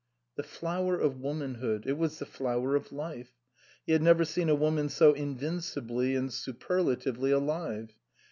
The flower of womanhood it was the flower of life. He had never seen a woman so in vincibly and superlatively alive.